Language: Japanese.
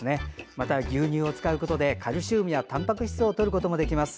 また、牛乳を使うことでカルシウムやたんぱく質をとることができます。